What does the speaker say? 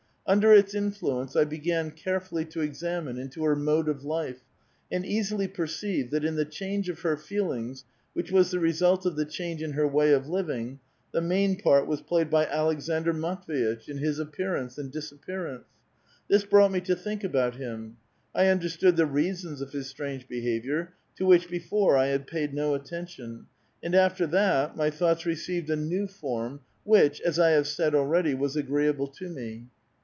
Under its influence I began carefully to examine into her mode of life, and easily perceived that in the change of her feelings, which was the result of the change in her way of living, the main part was played by Aleksandr Matv^itch in his appearance and disappearance. This brought me to think about him : I understood the reasons of his strange behavior, to which before I had paid no attention, and after that my thoughts received a new form, which, as I have said already, was agreeable to me.